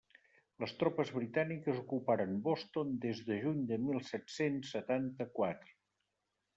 Les tropes britàniques ocuparen Boston des de juny de mil set-cents setanta-quatre.